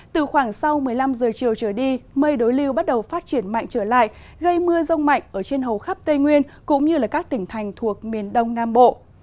từ khoảng sau một mươi năm giờ chiều trở đi mây đối lưu bắt đầu phát triển mạnh trở lại gây mưa rông mạnh ở trên hầu khắp tây nguyên cũng như các tỉnh thành thuộc miền đông nam bộ